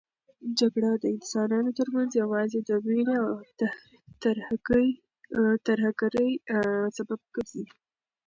جګړه د انسانانو ترمنځ یوازې د وېرې او ترهګرۍ سبب ګرځي.